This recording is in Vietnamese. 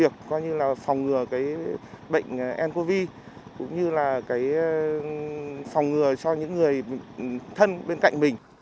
trong cái khẩu trang này